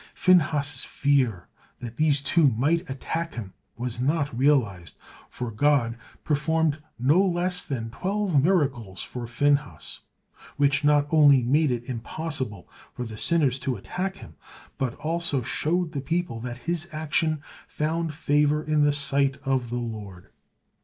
Phinehas's fear that these two might attack him was not realized, for God performed no less than twelve miracles for Phinehas, which not only made it impossible for the sinners to attack him, but also showed the people that his action found favor in the sight of the Lord.